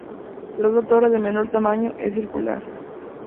La otra torre de menor tamaño, es circular.